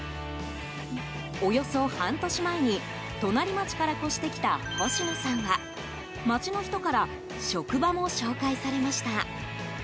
およそ半年前に隣町から越してきた星野さんは町の人から職場も紹介されました。